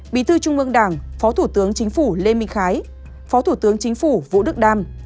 bí thư trung ương đảng phó thủ tướng chính phủ lê minh khái phó thủ tướng chính phủ vũ đức đam